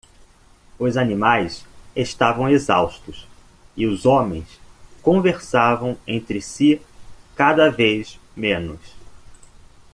Os animais estavam exaustos? e os homens conversavam entre si cada vez menos.